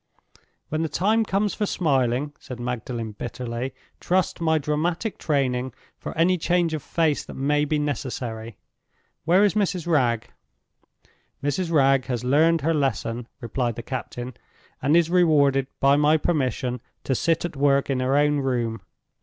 "When the time comes for smiling," said Magdalen, bitterly, "trust my dramatic training for any change of face that may be necessary. Where is Mrs. Wragge?" "Mrs. Wragge has learned her lesson," replied the captain, "and is rewarded by my permission to sit at work in her own room.